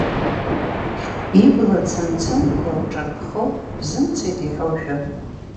Ибла цымцымқәа лҿарԥхо, бзымцеит иҳәошәа!